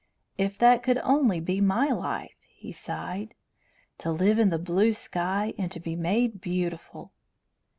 "If that could only be my life!" he sighed. "To live in the blue sky and to be made beautiful!"